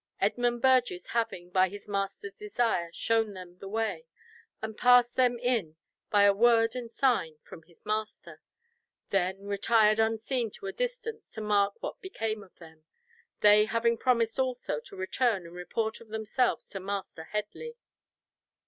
Edmund Burgess having, by his master's desire, shown them the way, and passed them in by a word and sign from his master, then retired unseen to a distance to mark what became of them, they having promised also to return and report of themselves to Master Headley.